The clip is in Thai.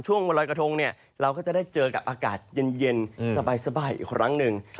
วันรอยกระทงเราก็จะได้เจอกับอากาศเย็นสบายอีกครั้งหนึ่ง